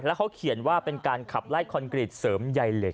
เขาเขียนว่าเป็นการขับไล่คอนกรีตเสริมใยเหล็ก